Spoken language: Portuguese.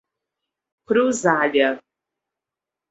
Cruzália